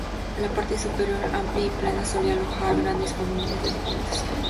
La parte superior, amplia y plana, solía alojar grandes volúmenes de documentación.